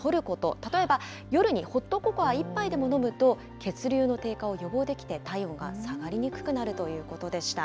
例えば夜にホットココア１杯でも飲むと、血流の低下を予防できて、体温が下がりにくくなるということでした。